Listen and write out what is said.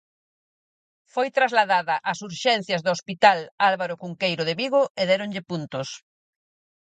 Foi trasladada ás urxencias do Hospital Álvaro Cunqueiro de Vigo e déronlle puntos.